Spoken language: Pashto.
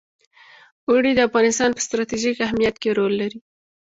اوړي د افغانستان په ستراتیژیک اهمیت کې رول لري.